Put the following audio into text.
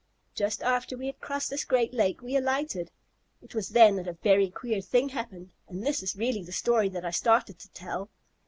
Just after we had crossed this great lake we alighted. It was then that a very queer thing happened, and this is really the story that I started to tell."